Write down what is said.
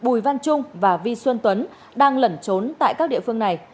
bùi văn trung và vi xuân tuấn đang lẩn trốn tại các địa phương này